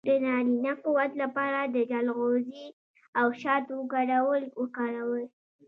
د نارینه قوت لپاره د چلغوزي او شاتو ګډول وکاروئ